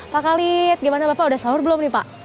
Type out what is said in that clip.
pak khalid gimana bapak udah sahur belum nih pak